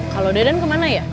kalo deden kemana ya